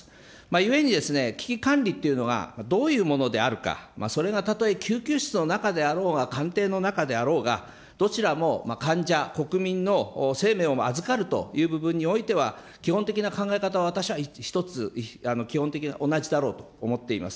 ゆえに危機管理っていうのがどういうものであるか、それがたとえ救急室の中であろうが、官邸の中であろうが、どちらも患者、国民の生命を預かるという部分においては、基本的な考え方は、私は、１つ、基本的に同じだろうと思っております。